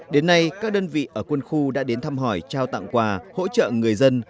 đến nay các đơn vị ở quân khu đã đến thăm hỏi trao tặng quà hỗ trợ người dân